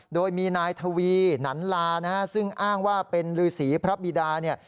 โดยมีนายทวีหนันลานะฮะซึ่งอ้างว่าเป็นฤษีพระบิดาเนี่ย